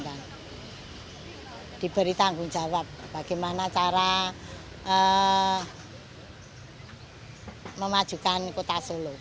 diberi tanggung jawab bagaimana cara memajukan kota solo